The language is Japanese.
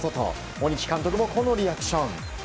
鬼木監督もこのリアクション。